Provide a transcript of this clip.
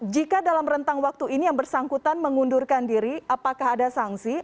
jika dalam rentang waktu ini yang bersangkutan mengundurkan diri apakah ada sanksi